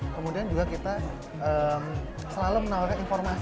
kemudian juga kita selalu menawarkan informasi